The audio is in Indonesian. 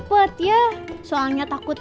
wah saya joker